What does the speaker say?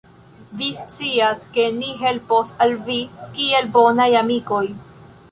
Vi scias, ke ni helpos al vi kiel bonaj amikoj.